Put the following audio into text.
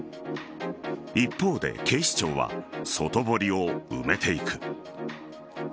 一方で警視庁は外堀を埋めていく。